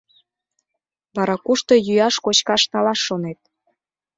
Вара кушто йӱаш-кочкаш налаш шонет?